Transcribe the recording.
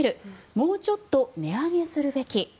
もうちょっと値上げするべき。